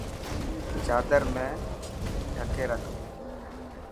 چادر ۾ ڌڪي رک.